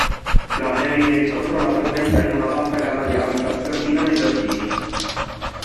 Flannery ne riscontrò la presenza in una vasta gamma di habitat, perfino nei giardini.